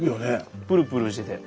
プルプルしてて。